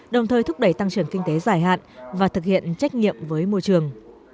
đồng thời thúc đẩy tăng trưởng kinh tế dài hạn và thực hiện trách nhiệm với môi trường